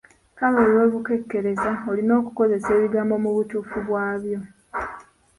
Kale olw'obukekkereza olina okukozesa ebigambo mu butuufu bwabyo.